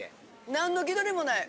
なんの気取りもない。